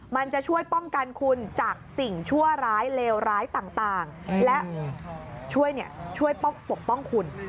มันจะช่วยป้องกันคุณจากสิ่งชั่วร้ายเลวร้ายต่างและช่วยปกป้องคุณ